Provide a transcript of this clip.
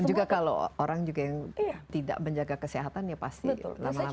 dan juga kalau orang yang tidak menjaga kesehatan ya pasti lama lama menjaga sakit